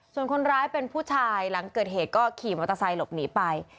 ส่วนคนร้ายเป็นผู้ชายหลังเกิดเหตุก็ขี่มอเตอร์ไซค์หลบหนีไป